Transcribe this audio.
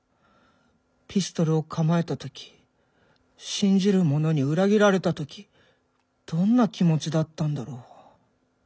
ピストルを構えた時信じる者に裏切られた時どんな気持ちだったんだろう。